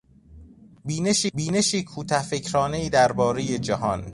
بینش کوته فکرانهای دربارهی جهان